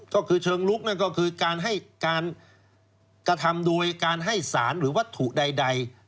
ก็คือเชิงรุกคือการกระทำโดยการให้สารหรือวัตถุใด